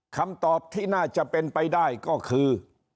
คำตอบที่น่าจะเป็นไปได้ก็คือ